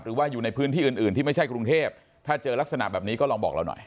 หรือว่าอยู่ในพื้นที่อื่นอื่นที่ไม่ใช่กรุงเทพถ้าเจอลักษณะแบบนี้ก็ลองบอกเราหน่อย